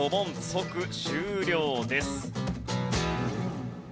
即終了です。